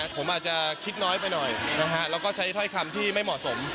ผมอาจจะคิดน้อยไปหน่อยแล้วก็ใช้ถ้อยคำที่ไม่เหมาะสม